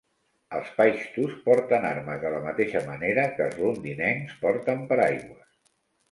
Els paixtus porten armes de la mateixa manera que els londinencs porten paraigües.